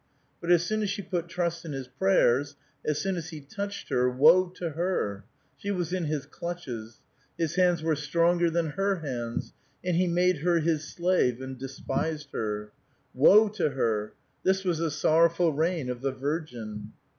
But as soon as she put trust in his prayers, as soon as he touched her, — woe to her ! She was in his clutches ; his hands were stronger than her hands, and he made her his slave, and despised her. Woe to her! This was the sor rowful reign of the virgin.